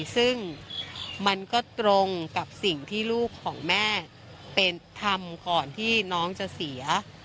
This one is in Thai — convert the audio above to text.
ซึ่งมันก็ตรงกับสิ่งที่ลูกของแม่เป็นทำก่อนที่น้องจะเสีย